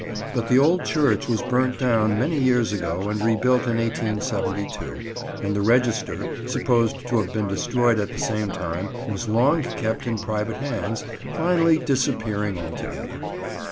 But the old church was burnt down many years ago and rebuilt in 1872, and the register, supposed to have been destroyed at the same time, was long kept in private hands, finally disappearing altogether.